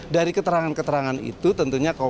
dari keterangan keterangan ini kita bisa mencari penyelesaian